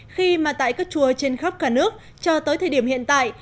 khi mà tại các chùa trên khắp cả nước cho tới thời điểm hiện tại